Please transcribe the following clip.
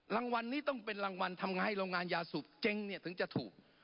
รางวัลนี้ต้องเป็นรางวัลทำไงโรงงานยาสูบเจ๊งเนี่ยถึงจะถูก